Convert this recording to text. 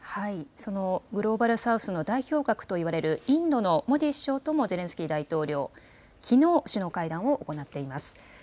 そのグローバル・サウスの代表格といわれるインドのモディ首相ともゼレンスキー大統領きのう、首脳会談を行っています。